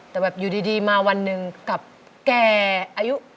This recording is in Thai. แต่แบบอยู่ดีมาวันหนึ่งกับแก่อายุ